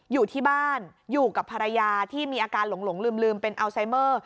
อยู่ที่บ้านอยู่กับภรรยาที่มีอาการหลงลืมเป็นอัลไซเมอร์